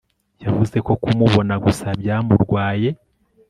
yavuze ko kumubona gusa byamurwaye